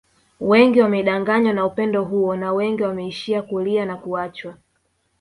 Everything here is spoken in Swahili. Wengi wamedanganywa na upendo huo na wengi wameishia kulia na kuachwa